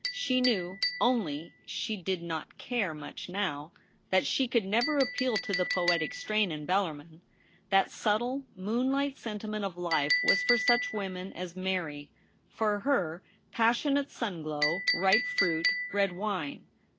She knew — only she did not care much now — that she could never appeal to the poetic strain in Bellarmin. That subtle, moonlight sentiment of life was for such women as Mary. For her, pas sionate sun glow, ripe fruit, red wine.